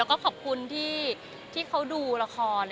แล้วก็ขอบคุณที่เขาดูละคร